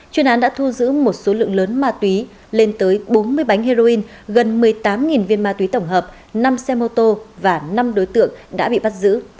chuyên án đã thu giữ một số lượng lớn ma túy lên tới bốn mươi bánh heroin gần một mươi tám viên ma túy tổng hợp năm xe mô tô và năm đối tượng đã bị bắt giữ